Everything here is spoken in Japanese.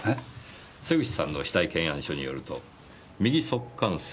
瀬口さんの死体検案書によると右足関節